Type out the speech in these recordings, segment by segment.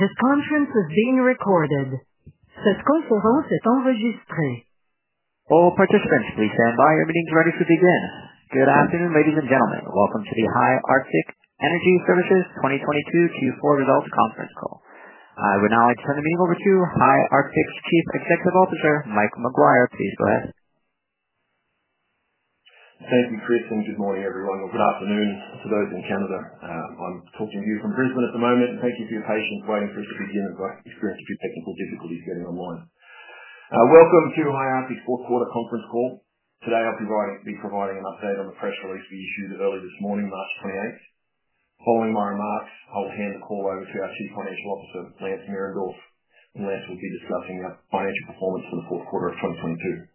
This conference is being recorded. All participants, please stand by. Everything's ready to begin. Good afternoon, ladies and gentlemen. Welcome to the High Arctic Energy Services 2022 Q4 results conference call. I would now like to turn the meeting over to High Arctic's Chief Executive Officer, Mike Maguire. Please go ahead. Thank you, Chris, and good morning, everyone, or good afternoon to those in Canada. I'm talking to you from Brisbane at the moment, and thank you for your patience waiting for us to begin as I experienced a few technical difficulties getting online. Welcome to High Arctic's fourth quarter conference call. Today I'll be providing an update on the press release we issued earlier this morning, March 28th. Following my remarks, I'll hand the call over to our Chief Financial Officer, Lance Ehrentreu, and Lance will be discussing our financial performance in the fourth quarter of 2022.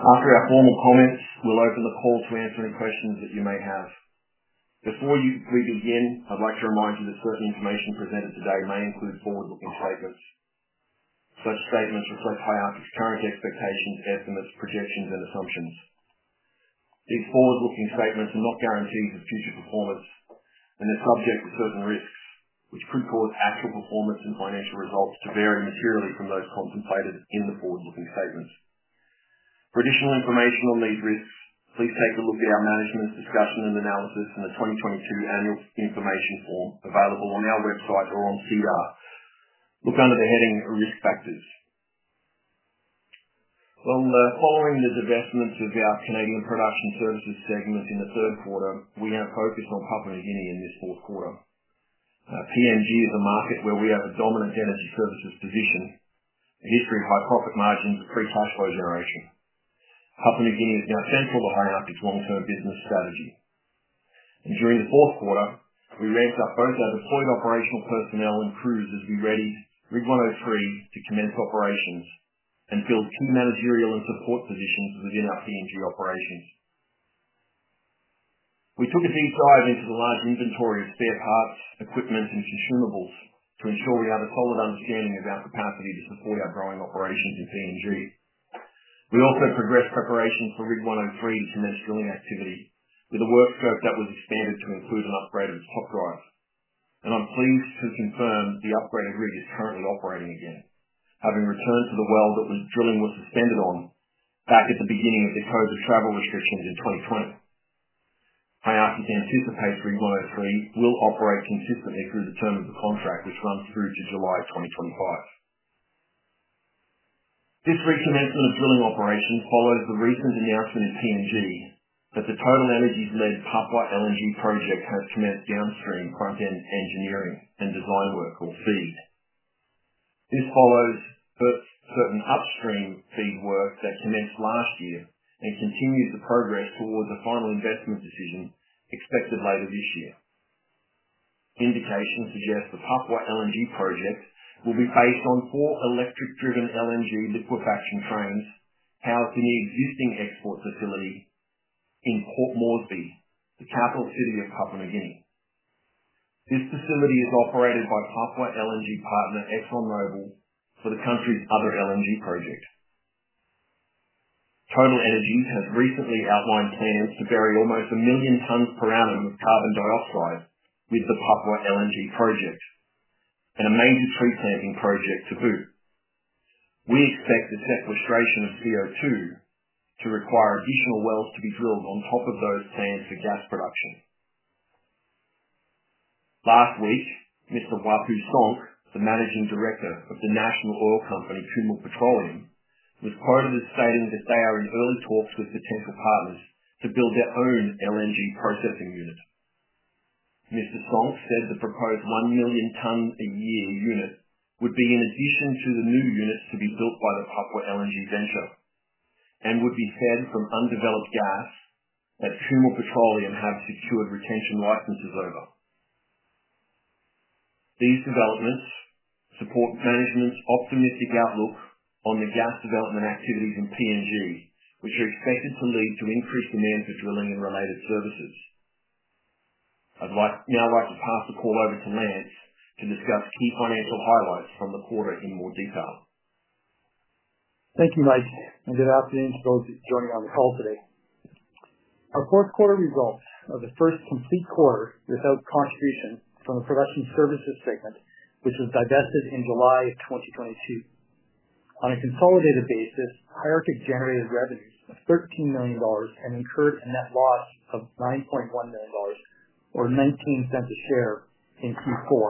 After our formal comments, we'll open the call to answer any questions that you may have. Before we begin, I'd like to remind you that certain information presented today may include forward-looking statements. Such statements reflect High Arctic's current expectations, estimates, projections, and assumptions. These forward-looking statements are not guarantees of future performance and are subject to certain risks, which could cause actual performance and financial results to vary materially from those contemplated in the forward-looking statements. For additional information on these risks, please take a look at our management discussion and analysis in the 2022 annual information form available on our website or on SEDAR. Look under the heading Risk Factors. From the following the divestments of our Canadian Production Services segment in the third quarter, we now focus on Papua New Guinea in this fourth quarter. PNG is a market where we have a dominant energy services position, a history of high profit margins, and free cash flow generation. Papua New Guinea is now central to High Arctic's long-term business strategy. During the fourth quarter, we ramped up both our deployed operational personnel and crews as we readied Rig 103 to commence operations and filled key managerial and support positions within our PNG operations. We took a deep dive into the large inventory of spare parts, equipment, and consumables to ensure we have a solid understanding of our capacity to support our growing operations in PNG. We also progressed preparation for Rig 103 to commence drilling activity with a work scope that was expanded to include an upgrade of the top drive. I'm pleased to confirm the upgraded rig is currently operating again, having returned to the well that drilling was suspended on back at the beginning of the COVID travel restrictions in 2020. High Arctic anticipates Rig 103 will operate consistently through the term of the contract, which runs through to July 2025. This recommencement of drilling operations follows the recent announcement in PNG that the TotalEnergies-led Papua LNG project has commenced downstream front-end engineering and design work, or FEED. This follows certain upstream FEED work that commenced last year and continues the progress towards a final investment decision expected later this year. Indications suggest the Papua LNG project will be based on four electric-driven LNG liquefaction trains powering the existing export facility in Port Moresby, the capital city of Papua New Guinea. This facility is operated by Papua LNG partner, ExxonMobil, for the country's other LNG project. TotalEnergies has recently outlined plans to bury almost 1 million tons per annum of carbon dioxide with the Papua LNG project and a major tree planting project to boot. We expect the sequestration of CO2 to require additional wells to be drilled on top of those planned for gas production. Last week, Mr. Wapu Sonk, the Managing Director of the national oil company, Kumul Petroleum, was quoted as stating that they are in early talks with potential partners to build their own LNG processing unit. Mr. Sonk said the proposed 1 million ton a year unit would be in addition to the new units to be built by the Papua LNG venture and would be fed from undeveloped gas that Kumul Petroleum have secured retention licenses over. These developments support management's optimistic outlook on the gas development activities in PNG, which are expected to lead to increased demand for drilling and related services. Now I'd like to pass the call over to Lance to discuss key financial highlights from the quarter in more detail. Thank you, Mike, and good afternoon to those joining on the call today. Our fourth quarter results are the first complete quarter without contribution from the Production Services segment, which was divested in July of 2022. On a consolidated basis, High Arctic generated revenues of 13 million dollars and incurred a net loss of 9.1 million dollars or 0.19 a share in Q4.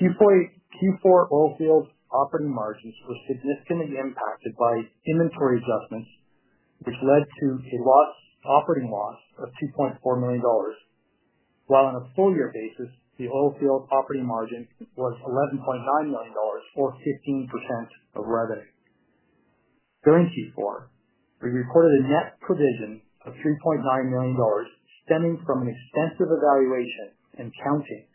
Q4 oilfields operating margins were significantly impacted by inventory adjustments, which led to an operating loss of 2.4 million dollars, while on a full year basis, the oilfield operating margin was 11.9 million dollars or 15% of revenue. During Q4, we recorded a net provision of 3.9 million dollars stemming from an extensive evaluation and counting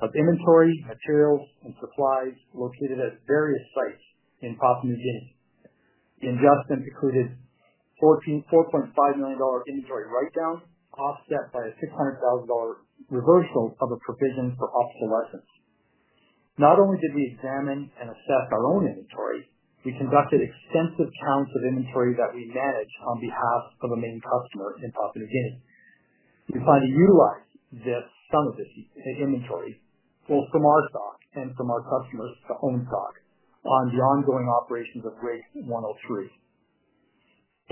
of inventory, materials, and supplies located at various sites in Papua New Guinea. The adjustment included fourteen... 4.5 million dollar inventory write down, offset by a 600,000 dollar reversal of a provision for obsolescence. Not only did we examine and assess our own inventory, we conducted extensive counts of inventory that we manage on behalf of a main customer in Papua New Guinea. We plan to utilize this, some of this inventory, both from our stock and from our customers to own stock on the ongoing operations of Rig 103.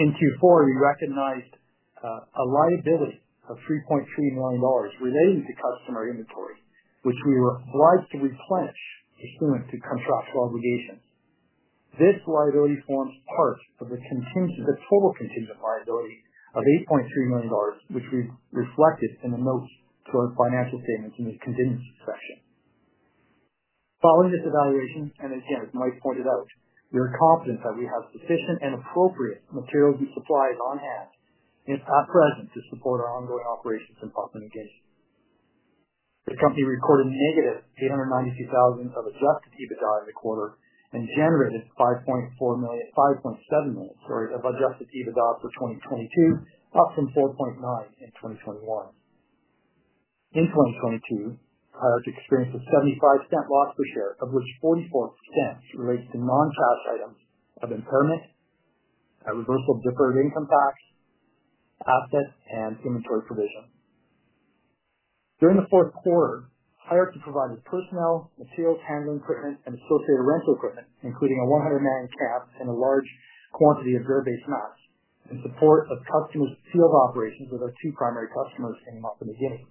In Q4, we recognized a liability of 3.3 million dollars relating to customer inventory, which we were obliged to replenish pursuant to contractual obligations. This liability forms part of the total contingent liability of 8.3 million dollars, which we've reflected in the notes to our financial statements in the contingency section. Following this evaluation, and again, as Mike pointed out, we are confident that we have sufficient and appropriate materials and supplies on hand and at present to support our ongoing operations in Papua New Guinea. The company recorded negative 892,000 of adjusted EBITDA in the quarter and generated 5.7 million, sorry, of adjusted EBITDA for 2022, up from 4.9 million in 2021. 2022, Hiarc experienced a 0.75 loss per share, of which 0.44 relates to non-cash items of impairment, a reversal of deferred income tax, asset, and inventory provision. During the fourth quarter, Hiarc provided personnel, materials handling equipment, and associated rental equipment, including a 100-man camp and a large quantity of Dura-Base mats in support of customers' field operations with our two primary customers in Papua New Guinea.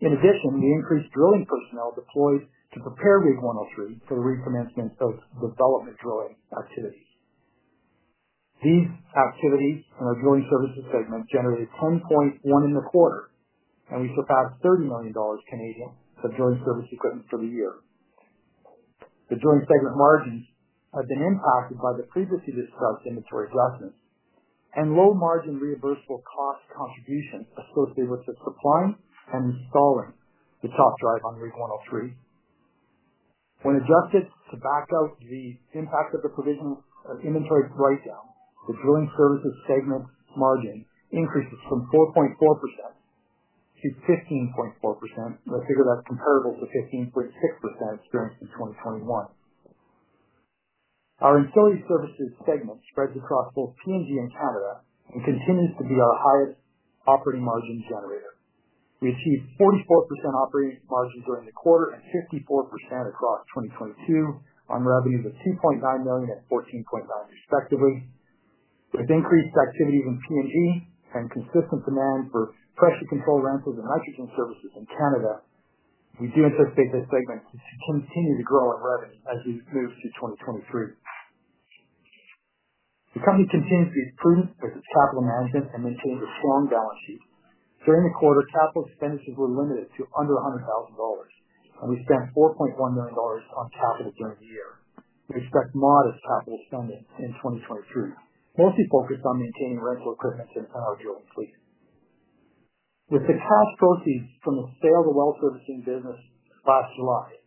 In addition, we increased drilling personnel deployed to prepare Rig 103 for the recommencement of development drilling activities. These activities in our Drilling Services segment generated 10.1 in the quarter. We surpassed 30 million Canadian dollars of drilling service equipment for the year. The Drilling Services segment margins have been impacted by the previously discussed inventory adjustments and low margin reversible cost contribution associated with the supplying and installing the top drive on Rig 103. When adjusted to back out the impact of the provision of inventory write-down, the Drilling Services segment margin increases from 4.4% to 15.4%. I figure that's comparable to 15.6% experienced in 2021. Our Ancillary Services segment spreads across both PNG and Canada and continues to be our highest operating margin generator. We achieved 44% operating margin during the quarter and 54% across 2022 on revenues of 2.9 million and 14.9 million respectively. With increased activity from PNG and consistent demand for pressure control rentals and nitrogen services in Canada, we do anticipate this segment to continue to grow our revenue as we move through 2023. The company continues to be prudent with its capital management and maintains a strong balance sheet. During the quarter, capital expenditures were limited to under 100,000 dollars. We spent 4.1 million dollars on capital during the year. We expect modest capital spending in 2023, mostly focused on maintaining rental equipment and our drilling fleet. With the cash proceeds from the sale of the well servicing business last July,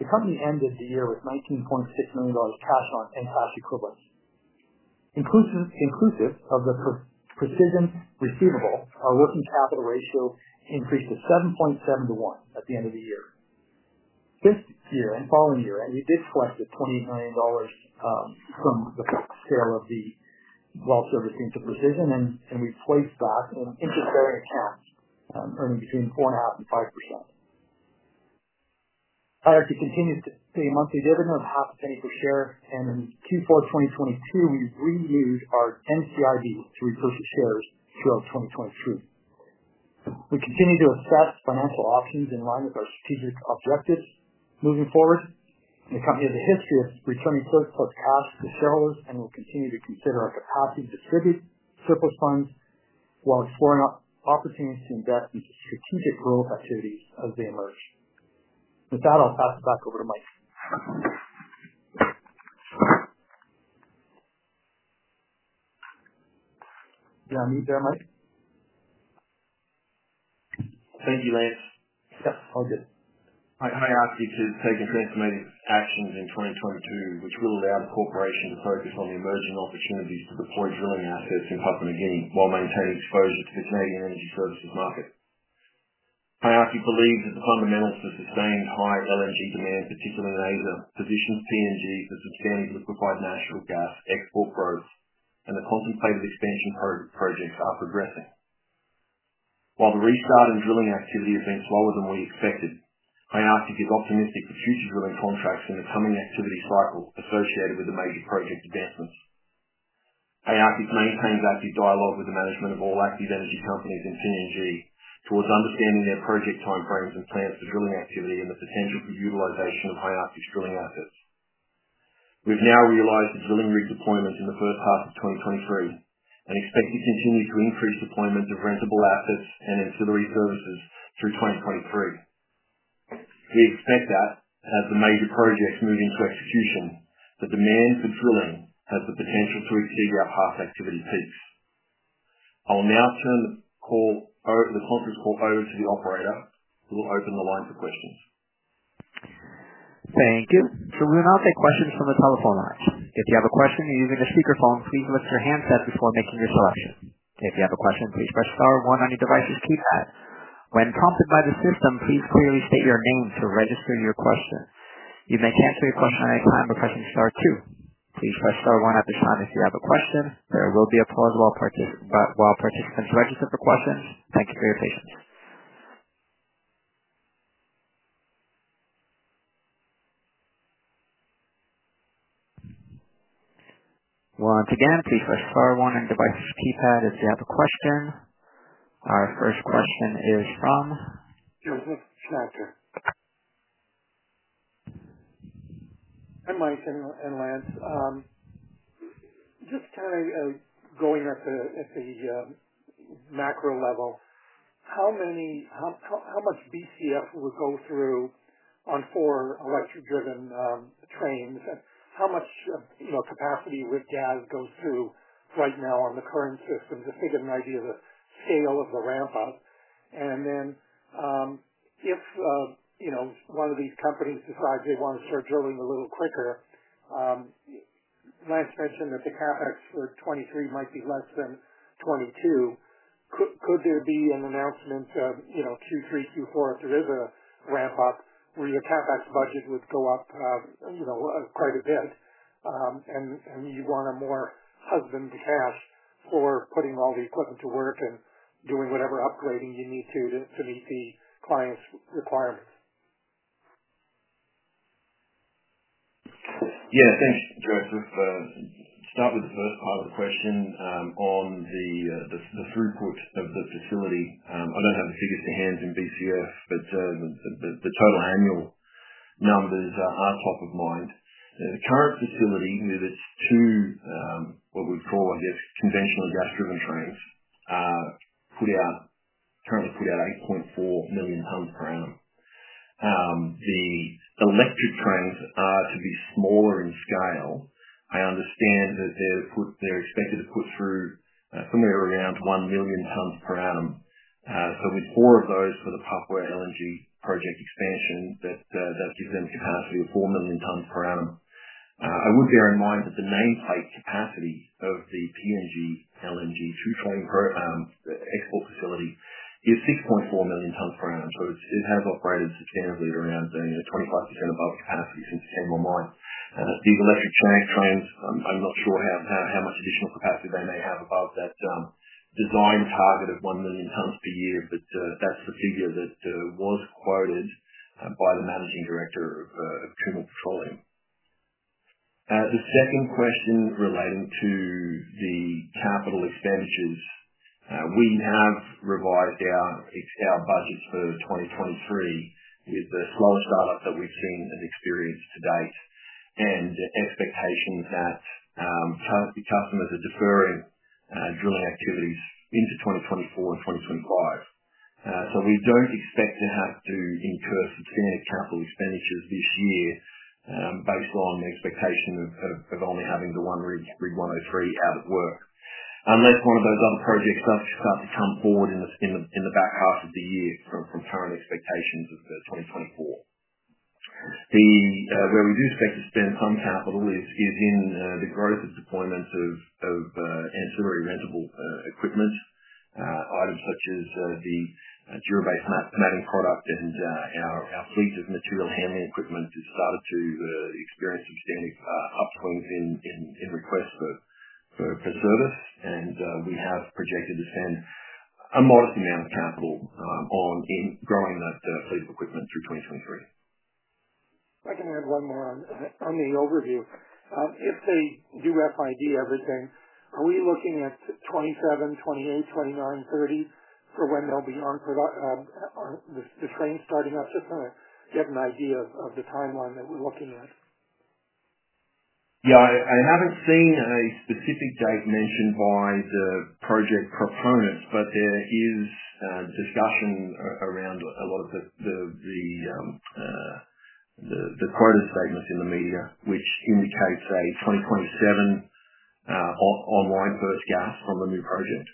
the company ended the year with CAD 19.6 million cash on hand and cash equivalents. Inclusive of the Precision receivable, our working capital ratio increased to 7.7 to 1 at the end of the year. This year and following year, we did collect the 20 million dollars from the sale of the well servicing to Precision, and we placed that in interest-bearing accounts, earning between 4.5% and 5%. High Arctic continues to pay a monthly dividend of half penny per share, and in Q4 2022, we've renewed our NCIB to repurchase shares throughout 2023. We continue to assess financial options in line with our strategic objectives moving forward. The company has a history of returning surplus cash to shareholders and will continue to consider our capacity to distribute surplus funds while exploring opportunities to invest in strategic growth activities as they emerge. With that, I'll pass it back over to Mike. You on mute there, Mike? Thank you, Lance. Yeah. All good. HWO continued to take instrumental actions in 2022, which will allow the corporation to focus on the emerging opportunities to deploy drilling assets in Papua New Guinea while maintaining exposure to the Canadian energy services market. HWO believes that the fundamentals of sustained high LNG demand, particularly in Asia, positions PNG for sustained liquefied natural gas export growth. The contemplated expansion pro-projects are progressing. While the restart in drilling activity has been slower than we expected, HWO is optimistic for future drilling contracts in the coming activity cycle associated with the major project advancements. HWO maintains active dialogue with the management of all active energy companies in PNG towards understanding their project timeframes and plans for drilling activity and the potential for utilization of HWO's drilling assets. We've now realized the drilling rig deployment in the first half of 2023 and expect to continue to increase deployment of rentable assets and ancillary services through 2023. We expect that as the major projects move into execution, the demand for drilling has the potential to exceed our past activity peaks. I will now turn the conference call over to the operator, who will open the line for questions. Thank you. We'll now take questions from the telephone lines. If you have a question using a speakerphone, please mute your handset before making your selection. If you have a question, "please press star one" on your device's keypad. When prompted by the system, please clearly state your name to register your question. You may cancel your question at any time by "pressing star two". Please press star one" at this time if you have a question. There will be a participant recommended by if you have a question. On your device's keypad if you have a question. Our first question is from Joseph Schnatter. Hi, Mike and Lance. Just kind of going at the macro level, how much BCF would go through on four electric-driven trains, and how much, you know, capacity with gas goes through right now on the current system to get an idea of the scale of the ramp up? If, you know, one of these companies decides they want to start drilling a little quicker, Lance mentioned that the CapEx for 2023 might be less than 2022.Could there be an announcement of, you know, 2, 3, 2, 4 if there is a ramp up where your CapEx budget would go up, you know, quite a bit, and you wanna more husband the cash for putting all the equipment to work and doing whatever upgrading you need to meet the client's requirements? Yeah, thanks, Joseph. Start with the first part of the question, on the throughput of the facility. I don't have the figures to hand in BCF, the total annual numbers are top of mind. The current facility with its two, what we'd call, I guess, conventional gas-driven trains, put out, currently put out 8.4 million tons per annum. The electric trains are to be smaller in scale. I understand that they're expected to put through somewhere around 1 million tons per annum. With four of those for the Papua LNG project expansion, that gives them capacity of 4 million tons per annum. I would bear in mind that the nameplate capacity of the PNG LNG 2 train export facility is 6.4 million tons per annum. It has operated sustainably around being at 25% above capacity since day one. The electric trains, I'm not sure how much additional capacity they may have above that design target of 1 million tons per year. That's the figure that was quoted by the managing director of Kumul Petroleum. The second question relating to the capital expenditures, we have revised our budgets for 2023 with a slow start-up that we've seen and experienced to date, and expectations that the customers are deferring drilling activities into 2024 and 2025. We don't expect to have to incur substantive capital expenditures this year, based on the expectation of only having the one Rig 103 out at work. That's one of those other projects that should start to come forward in the back half of the year from current expectations of 2024. Where we do expect to spend some capital is in the growth of deployment of ancillary rentable equipment items such as the durable matting product and our fleet of material handling equipment has started to experience some standing upswing in requests for service. We have projected to spend a modest amount of capital in growing that fleet of equipment through 2023. If I can add one more on the overview. If they do FID everything, are we looking at 2027, 2028, 2029, 2030 for when they'll be on the trains starting up? Just wanna get an idea of the timeline that we're looking at. I haven't seen a specific date mentioned by the project proponents, but there is discussion around a lot of the quoted statements in the media, which indicates a 2027 online first gas on the new project.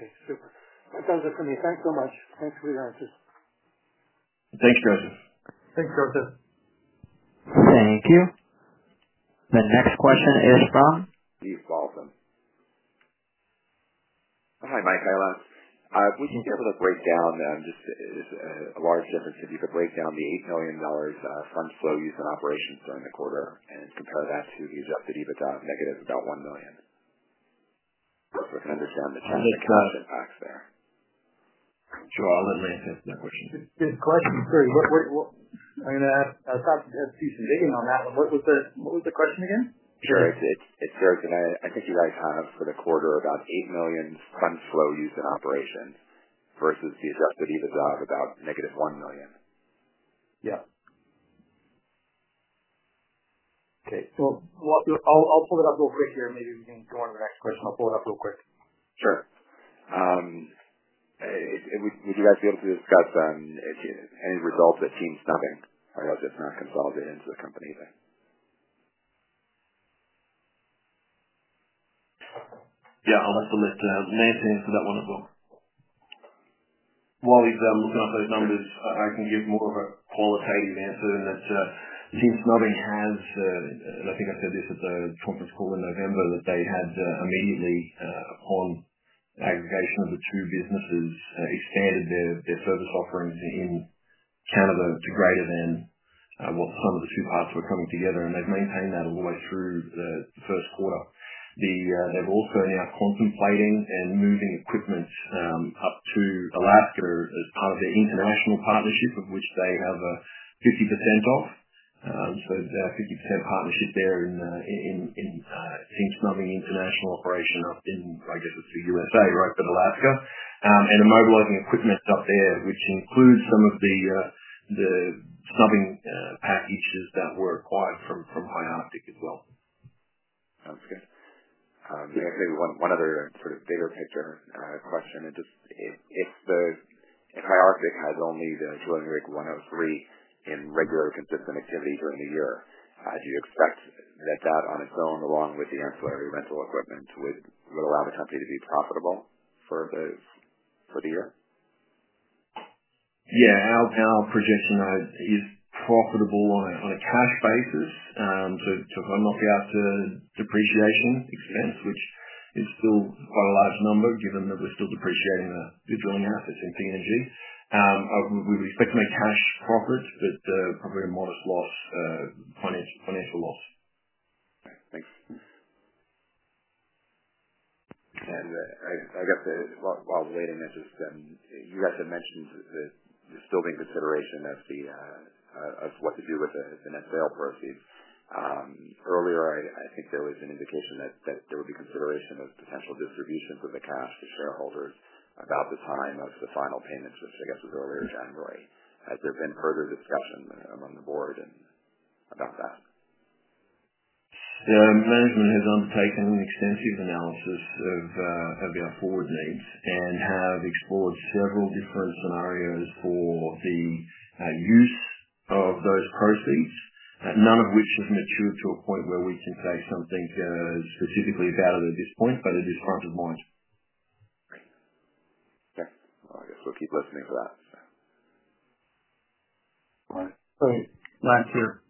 Okay, super. That does it for me. Thanks so much. Thanks for the answers. Thanks, Joseph. Thanks, Joseph. Thank you. The next question is from. Steve Dalton. Hi, Mike, Lance. Would you be able to break down, just, there's a large difference? If you could break down the 8 million dollars fund flow used in operations during the quarter and compare that to the adjusted EBITDA of negative about 1 million. If I can understand the timing and the cash impacts there. Sure. I'll let Lance answer that question too. Yeah. Question three. I mean, I was about to do some digging on that one. What was the question again? Sure. It's I think you guys had for the quarter about 8 million fund flow used in operation versus the adjusted EBITDA of about negative 1 million. Yeah. Okay. Well, I'll pull it up real quick here. Maybe we can go on to the next question. I'll pull it up real quick. Sure. Would you guys be able to discuss, if any results at Team Snubbing? I know that's not consolidated into the company but. Yeah, I'll have to let, Lance answer that one as well. While he's looking up those numbers, I can give more of a qualitative answer in that Team Snubbing has, and I think I said this at the conference call in November, that they had immediately. The aggregation of the two businesses, expanded their service offerings in Canada to greater than what the sum of the two parts were coming together. They've maintained that all the way through the first quarter. They're also now contemplating and moving equipment up to Alaska as part of their international partnership, of which they have a 50% of. There's a 50% partnership there in snubbing international operation up in, I guess it's the USA, right, but Alaska. They're mobilizing equipment up there, which includes some of the snubbing packages that were acquired from High Arctic as well. Sounds good. Just maybe one other sort of bigger picture question. If High Arctic has only the drilling rig 103 in regular consistent activity during the year, do you expect that that on its own, along with the ancillary rental equipment, would allow the company to be profitable for the year? Yeah. Our projection is profitable on a cash basis. If I knock out the depreciation expense, which is still quite a large number, given that we're still depreciating the drilling assets at PNG, we expect to make cash profits, but probably a modest financial loss. Okay. Thanks. I got the... While waiting, I just, you guys had mentioned that there's still a consideration as what to do with the net sale proceeds. Earlier I think there was an indication that there would be consideration of potential distributions of the cash to shareholders about the time of the final payments, which I guess was earlier this January. Has there been further discussion among the board and about that? The management has undertaken extensive analysis of our forward needs and have explored several different scenarios for the use of those proceeds, none of which have matured to a point where we can say something specifically about it at this point. It is front of mind. Great. Okay. Well, I guess we'll keep listening for that. All right. Sorry. Lance here.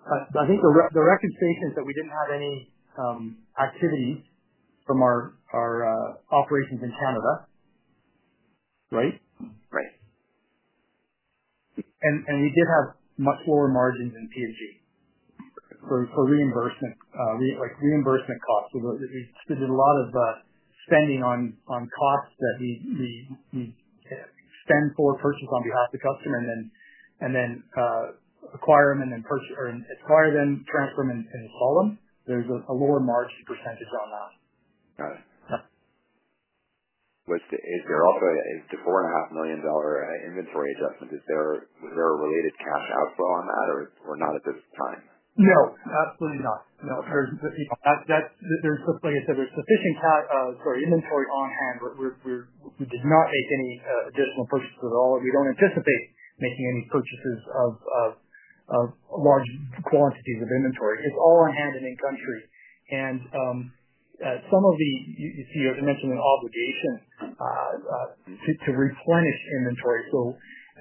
I think the recognition is that we didn't have any activity from our operations in Canada, right? Right. We did have much lower margins in PSG for reimbursement. reimbursement costs. We did a lot of spending on costs that we spend for purchases on behalf of the customer and then acquire them and then acquire them, transfer them and install them. There's a lower margin % on that. Got it. Is the four and a half million dollar inventory adjustment, is there a related cash outflow on that or not at this time? No, absolutely not. No. For people. That there's, like I said, there's sufficient sorry, inventory on hand. We're we did not make any additional purchases at all, and we don't anticipate making any purchases of large quantities of inventory. It's all on hand and in country. some of the, you see, as I mentioned, an obligation to replenish inventory.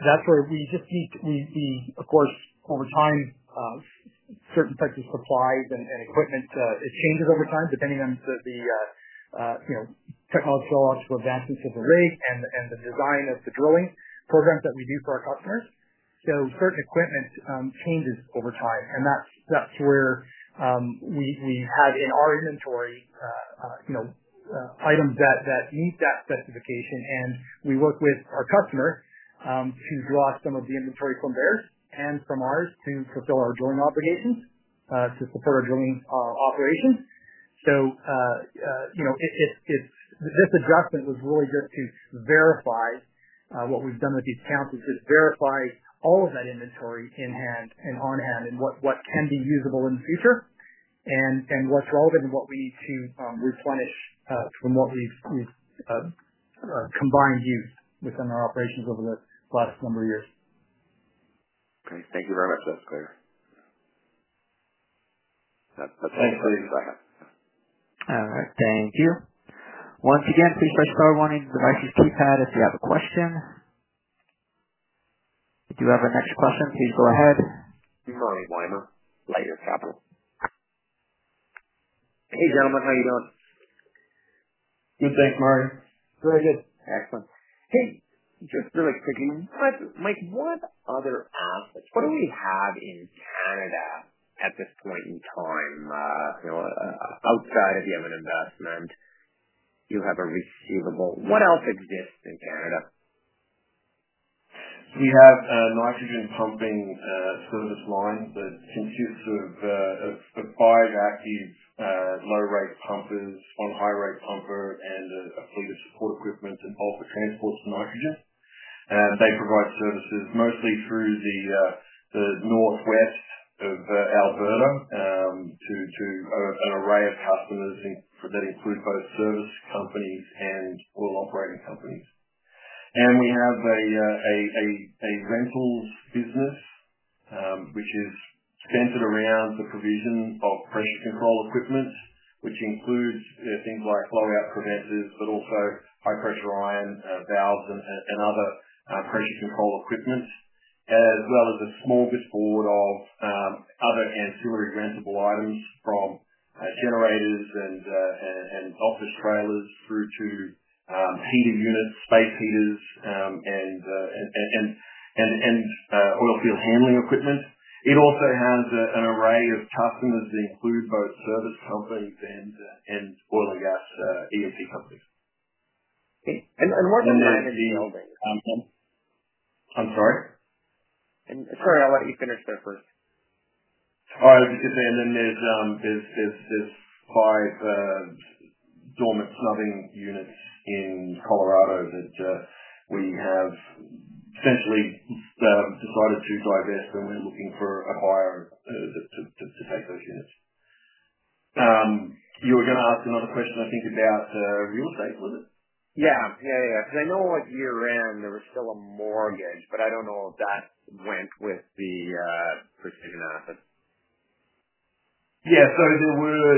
that's where we just need, we, of course, over time, certain types of supplies and equipment, it changes over time, depending on the, you know, technological advancements of the rig and the design of the drilling programs that we do for our customers. certain equipment changes over time. That's where we have in our inventory, you know, items that meet that specification. We work with our customer to draw some of the inventory from theirs and from ours to fulfill our drilling obligations, to fulfill our drilling operations. You know, This adjustment was really just to verify what we've done with these counts is to verify all of that inventory in hand and on hand, and what can be usable in the future, and what's relevant and what we need to replenish from what we've combined used within our operations over the last number of years. Great. Thank you very much. That's clear. Yeah. Thanks. Thanks. Thank you. Once again, please press star one on your devices keypad if you have a question. Do you have our next question? Please go ahead. Marty Weiner, Lightyear Capital. Hey, gentlemen. How you doing? Good, thanks, Marty. Very good. Excellent. Hey, just really quickly. Mike, what other assets, what do we have in Canada at this point in time? You know, outside of you have an investment, you have a receivable. What else exists in Canada? We have a Nitrogen Pumping service line that consists of five active low rate pumpers, one high rate pumper, and a fleet of support equipment involved for transport of nitrogen. They provide services mostly through the northwest of Alberta to an array of customers that include both service companies and oil operating companies. We have a rentals business which is centered around the provision of pressure control equipment, which includes things like blowout preventers, but also high-pressure iron, valves and other pressure control equipment. As well as a small bit board of other ancillary rentable items from generators and office trailers through to heating units, space heaters and oil field handling equipment. It also has an array of customers that include both service companies and oil and gas, E&P companies. Okay. What's. there's the... I'm sorry? Sorry, I'll let you finish there first. All right. There's 5 dormant snubbing units in Colorado that we have essentially decided to divest and we're looking for a buyer to take those units. You were gonna ask another question, I think, about real estate, was it? Yeah. Yeah. Yeah. I know, like, year-end, there was still a mortgage, but I don't know if that went with the Precision asset. Yeah. There were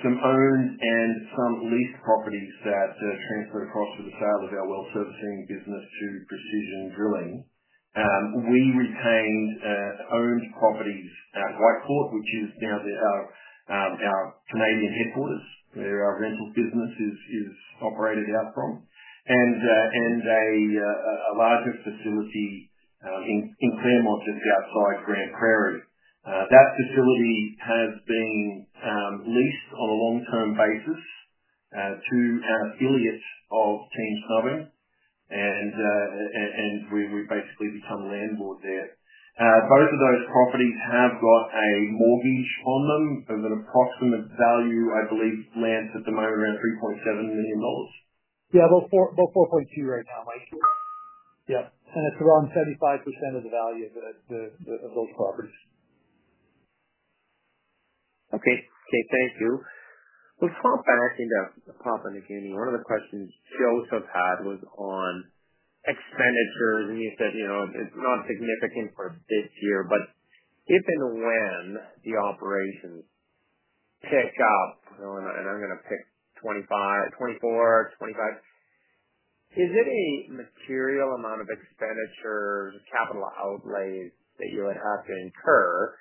some owned and some leased properties that transferred across to the sale of our well servicing business to Precision Drilling. We retained owned properties at Whitecourt, which is now the our Canadian headquarters, where our rental business is operated out from. A larger facility in Clairmont, just outside Grande Prairie. That facility has been leased on a long-term basis to an affiliate of Team Snubbing and we've basically become landlord there. Both of those properties have got a mortgage on them of an approximate value, I believe, Lance, at the moment around 3.7 million dollars. Yeah. About 4.2 right now, Mike. Yeah. It's around 75% of the value of the of those properties. Okay. Okay. Thank you. Before I pass things back to Papua New Guinea one of the questions Joseph had was on expenditures, and you said, you know, it's not significant for this year. If and when the operations pick up, I wanna, I'm gonna pick 25, 24, 25. Is it a material amount of expenditure, capital outlay that you would have to incur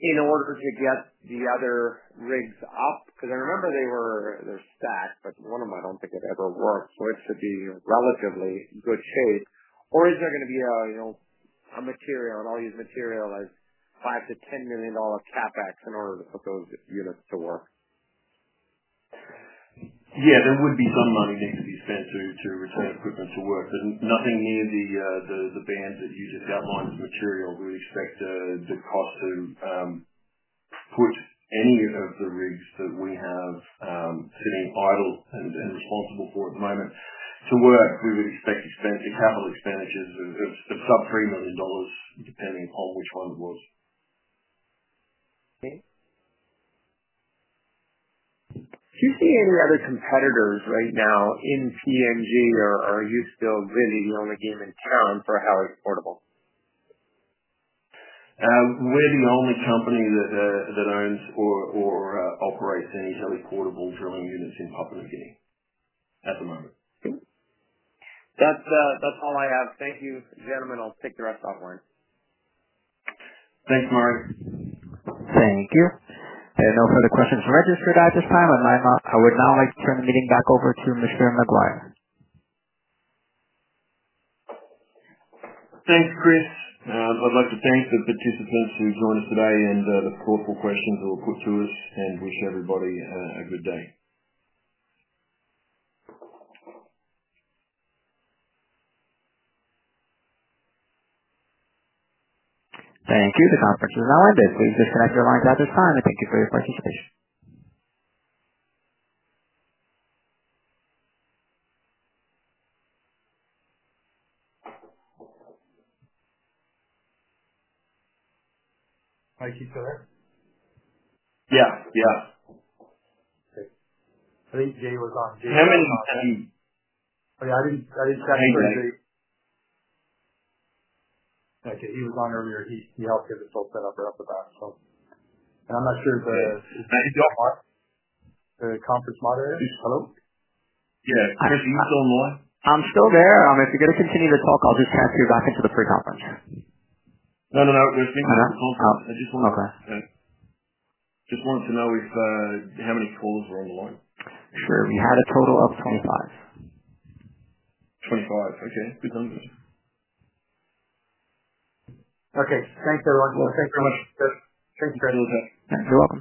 in order to get the other rigs up? I remember they were, they're stacked, but one of them I don't think had ever worked, so it should be in relatively good shape. Is there gonna be a, you know, a material, and I'll use material as $5 million-$10 million CapEx in order to put those units to work? Yeah, there would be some money needing to be spent to return equipment to work. There's nothing near the band that you just outlined as material. We expect the cost to put any of the rigs that we have sitting idle and responsible for at the moment to work, we would expect capital expenditures of sub 3 million dollars, depending on which one it was. Okay. Do you see any other competitors right now in PNG, or are you still really the only game in town for heli-portable? We're the only company that owns or operates any heli-portable drilling units in Papua New Guinea at the moment. Okay. That's all I have. Thank you, gentlemen. I'll take the rest offline. Thanks, Marty. Thank you. There are no further questions registered at this time. I would now like to turn the meeting back over to Mr. Maguire. Thanks, Chris. I'd like to thank the participants who joined us today and, the thoughtful questions that were put to us and wish everybody, a good day. Thank you. The conference is now ended. Please disconnect your lines at this time. Thank you for your participation. Mike, you still there? Yeah. Yeah. Okay. I think Jay was on- How many? Oh, yeah, I didn't. How many lines? Okay. He was on earlier. He helped get us all set up at the back, so... I'm not sure if. Yeah. Is Mark, the conference moderator? Hello? Yeah. I guess, are you still on the line? I'm still there. If you're gonna continue to talk, I'll just pass you back into the free conference. No, no. We're finished with the call. Oh. Oh, okay. I just wanted to know if how many callers were on the line? Sure. We had a total of 25. 25. Okay. Good number. Okay. Thanks everyone. Thanks so much, Chris. Thanks for having me. You're welcome.